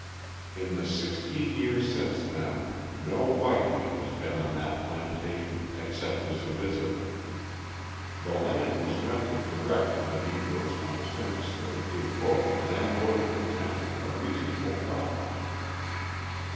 In the sixteen years since then no white man has been on that plantation except as a visitor. The land was rented direct to the Negroes on terms that would give both landlord and tenant a reasonable profit.